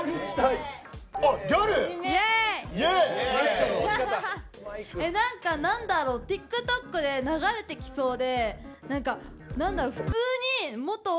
あっギャル⁉えなんかなんだろうＴｉｋＴｏｋで流れてきそうでなんかなんだろう